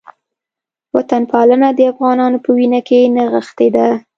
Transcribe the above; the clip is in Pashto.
وطنپالنه د افغانانو په وینه کې نغښتې ده